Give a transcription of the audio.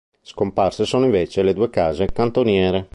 Scomparse sono invece le due case cantoniere.